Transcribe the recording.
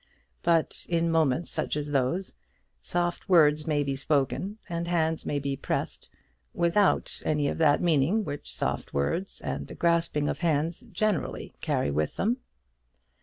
But in moments such as those, soft words may be spoken and hands may be pressed without any of that meaning which soft words and the grasping of hands generally carry with them.